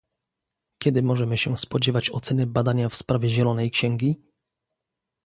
Kiedy możemy się spodziewać oceny badania w sprawie zielonej księgi?